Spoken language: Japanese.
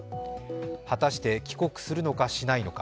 果たして帰国するのか、しないのか。